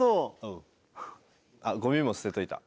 あっゴミも捨てといた。